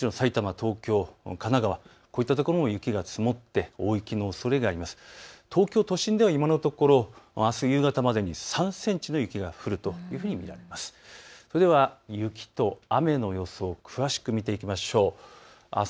東京都心では今のところあす夕方までに３センチの雪が降ると見られています。